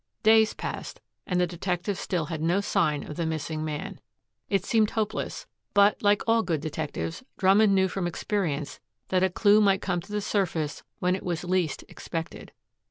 Days passed and the detectives still had no sign of the missing man. It seemed hopeless, but, like all good detectives, Drummond knew from experience that a clue might come to the surface when it was least expected.